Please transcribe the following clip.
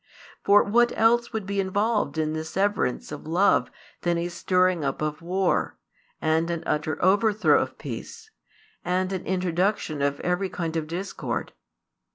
For what else would be involved in the severance of love than a stirring up of war, and an utter overthrow of peace, and an introduction of every kind of discord?